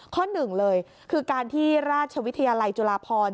ข้อหนึ่งเลยคือการที่ราชวิทยาลัยจุฬาพร